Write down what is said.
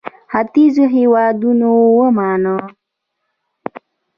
ختیځو هېوادونو ومانه.